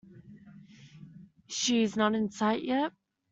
She is not in sight yet?